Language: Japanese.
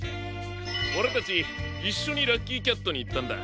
オレたちいっしょにラッキーキャットにいったんだ。